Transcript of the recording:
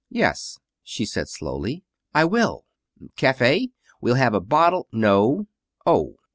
"Yes," she said slowly, "I will." "Cafe? We'll have a bottle " "No." "Oh!